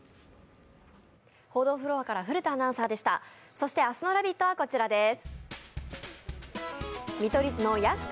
そして明日の「ラヴィット！」はこちらです。